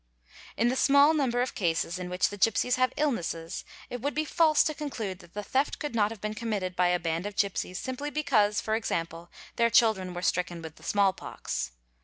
In the small number of cases in which the gipsies have illnesses, it ~ would be false to conclude that the theft could not have been committed by a band of gipsies simply because, for example, their children were stricken with the small pox.